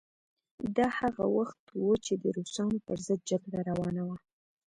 دا هغه وخت و چې د روسانو پر ضد جګړه روانه وه.